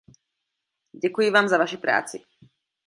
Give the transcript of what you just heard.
Děkuji vám za vaši práci.